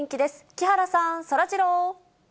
木原さん、そらジロー。